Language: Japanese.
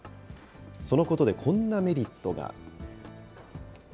そのことでこんなメリットが。